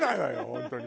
本当に。